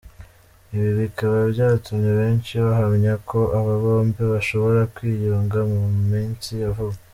Ibi bikaba byatumye benshi bahamya ko aba bombi bashobora kwiyunga mu minsi ya vuba.